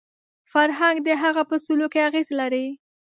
فرهنګ د هغه په سلوک کې اغېز لري